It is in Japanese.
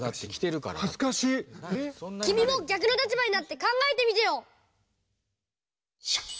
きみも逆の立場になってかんがえてみてよ！